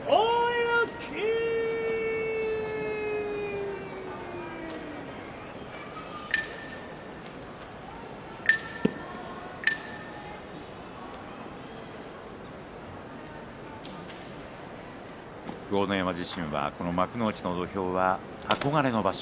柝きの音豪ノ山自身は幕内の土俵は憧れの場所